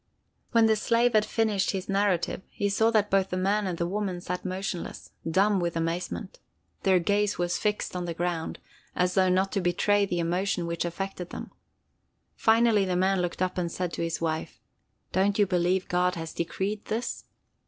When the slave had finished his narrative, he saw that both the man and the woman sat motionless—dumb with amazement. Their gaze was fixed on the ground, as though not to betray the emotion which affected them. Finally the man looked up and said to his wife: "Don't you believe God has decreed this?"